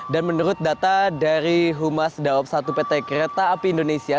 dan menurut data dari humas daob satu pt kereta api indonesia